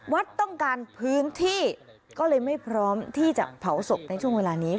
วัดต้องการพื้นที่ก็เลยไม่พร้อมที่จะเผาศพในช่วงเวลานี้